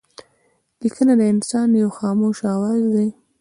لیکنه د انسان یو خاموشه آواز دئ.